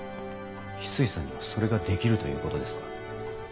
翡翠さんにはそれができるということですか？